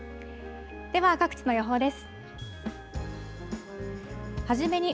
では各地の予報です。